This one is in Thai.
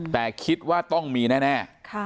แต่คิดว่าต้องมีแน่